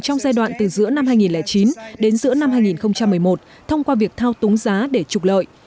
trong giai đoạn từ giữa năm hai nghìn chín đến giữa năm hai nghìn một mươi một thông qua việc thao túng giá để trục lợi